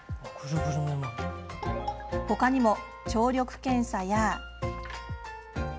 ほかにも聴力検査や。